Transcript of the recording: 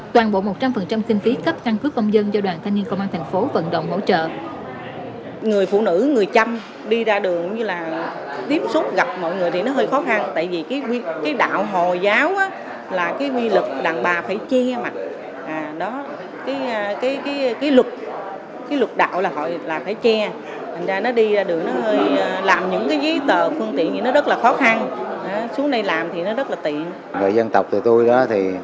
toàn bộ một trăm linh kinh phí cấp căn cướp công dân do đoàn thanh niên công an tp hcm vận động hỗ trợ